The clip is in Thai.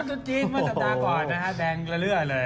ตุ๊ดจีนมาสัปดาห์ก่อนนะฮะแดงเรื่อยเลย